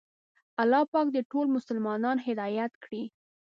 الله پاک دې ټول مسلمانان هدایت کړي.